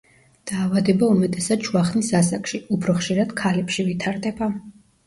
დაავადება უმეტესად შუახნის ასაკში, უფრო ხშირად ქალებში ვითარდება.